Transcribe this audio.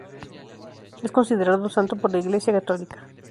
Es considerado santo por la Iglesia católica.